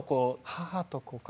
母と子か。